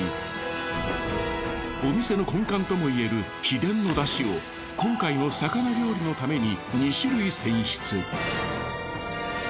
お店の根幹ともいえる秘伝のだしを今回の魚料理のために２種類選出。